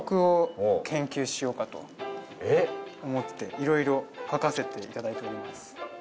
いろいろ書かせていただいております